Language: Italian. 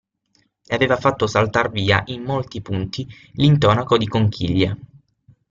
E aveva fatto saltar via in molti punti l'intonaco di conchiglie.